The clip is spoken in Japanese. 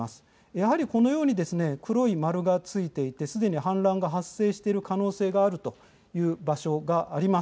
やはりこのようにですね、黒い丸がついていて、すでに氾濫が発生している可能性があるという場所があります。